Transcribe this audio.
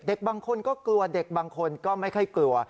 บางคนก็กลัวเด็กบางคนก็ไม่ค่อยกลัว